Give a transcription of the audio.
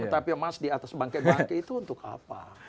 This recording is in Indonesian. tetapi emas di atas bangke bangkit itu untuk apa